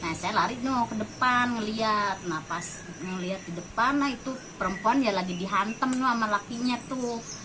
nah saya lari dong mau ke depan ngeliat nah pas ngeliat di depan itu perempuan ya lagi dihantam sama lakinya tuh